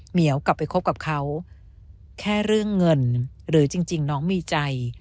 เหวกลับไปคบกับเขาแค่เรื่องเงินหรือจริงน้องมีใจ